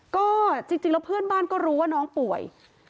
ก็จริงแล้วเพื่อนบ้านก็รู้ว่าน้องป่วย